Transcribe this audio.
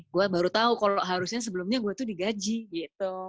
gue baru tahu kalau harusnya sebelumnya gue tuh digaji gitu